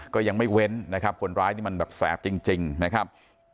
ก็ยังไม่เว้นนะครับคนร้ายนี่มันแบบแสบจริงนะครับ